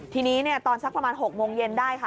ทีนี้ตอนสักประมาณ๖โมงเย็นได้ค่ะ